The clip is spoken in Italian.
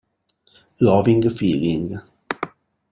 Loving Feeling.